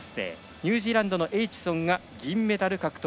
ニュージーランドのエイチソンが銀メダル獲得。